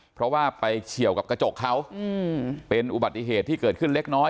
เพราะว่าไปเฉียวกับกระจกเขาเป็นอุบัติเหตุที่เกิดขึ้นเล็กน้อย